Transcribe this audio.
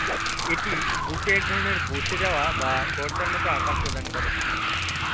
এটি বুকে এক ধরনের বসে যাওয়া বা গর্তের মত আকার প্রদান করে।